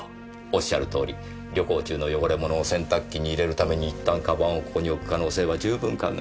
おっしゃるとおり旅行中の汚れ物を洗濯機に入れるために一旦鞄をここに置く可能性は十分考えられますからねぇ。